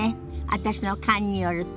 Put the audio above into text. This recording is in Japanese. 私の勘によると。